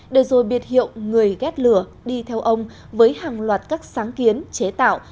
để rồi biệt hiệu người ghét lửa đi theo ông với hàng loạt các sáng kiến chế tạo